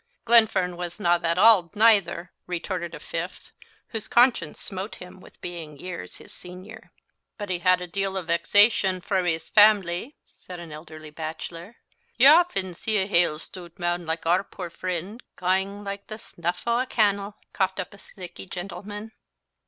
"Glenfern was na that auld neither," retorted a fifth, whose conscience smote him with being years his senior. "But he had a deal o' vexation frae his faemily," said an elderly bachelor. "Ye offen see a hale stoot man, like oor puit freend, gang like the snuff o' a cannel," coughed up a pthisicky gentleman.